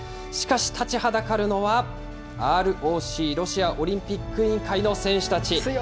しかし立ちはだかるのは、ＲＯＣ・ロシアオリンピック委員会の選手たち。